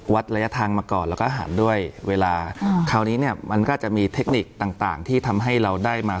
ระยะทางมาก่อนแล้วก็หันด้วยเวลาคราวนี้เนี่ยมันก็อาจจะมีเทคนิคต่างที่ทำให้เราได้มา